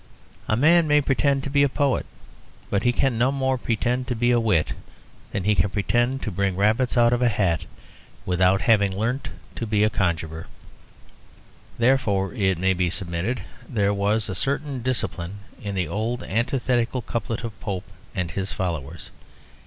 A man may pretend to be a poet: he can no more pretend to be a wit than he can pretend to bring rabbits out of a hat without having learnt to be a conjuror. Therefore, it may be submitted, there was a certain discipline in the old antithetical couplet of Pope and his followers.